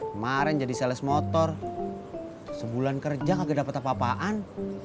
kemaren jadi sales motor sebulan kerja kagak dapet apa apaan